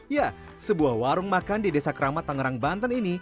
ya sebuah warung makan di desa keramat tangerang banten ini